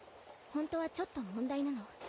本当はちょっと問題なの。